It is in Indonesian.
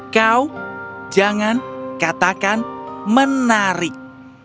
kau jangan katakan menarik